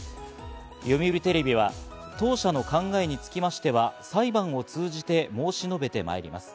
読売テレビは、当社の考えにつきましては、裁判を通じて申し述べて参ります。